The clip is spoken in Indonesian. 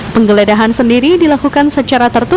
penggeledahan sendiri dilakukan secara tertutup